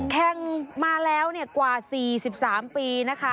แข่งมาแล้วเนี่ยกว่าสี่สิบสามปีนะคะ